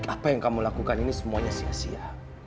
apa yang kamu lakukan ini semuanya sia sia